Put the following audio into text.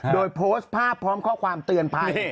โดยโพสต์ภาพพร้อมข้อความเตือนภัย